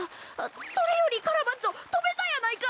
それよりカラバッチョとべたやないか！